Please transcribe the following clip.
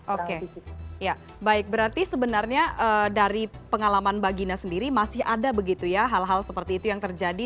oke ya baik berarti sebenarnya dari pengalaman mbak gina sendiri masih ada begitu ya hal hal seperti itu yang terjadi